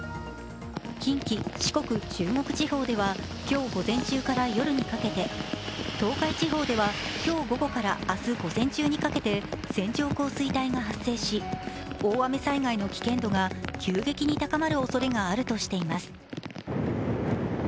近畿、四国、中国地方では今日午前中から夜にかけて東海地方では、今日午後から明日午前中にかけて線状降水帯が発生し大雨災害の危険度が急激に高まるおそれがあるとしています。